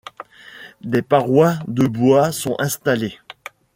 Des parois de bois sont installés.